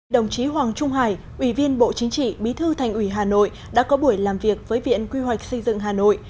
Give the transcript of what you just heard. đồng chí hoàng trung hải ủy viên bộ chính trị bí thư thành ủy hà nội đã có buổi làm việc với viện quy hoạch xây dựng hà nội